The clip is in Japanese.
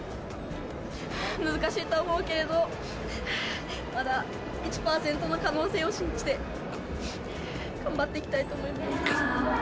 難しいとは思うけれど、まだ１％の可能性を信じて、頑張っていきたいと思います。